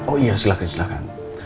oh iya silahkan silahkan